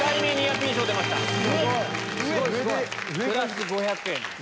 プラス５００円です。